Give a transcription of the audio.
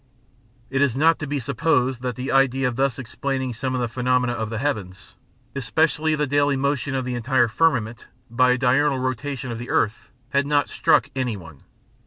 It is not to be supposed that the idea of thus explaining some of the phenomena of the heavens, especially the daily motion of the entire firmament, by a diurnal rotation of the earth had not struck any one.